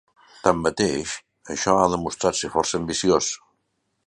Tanmateix, això ha demostrat ser força ambiciós.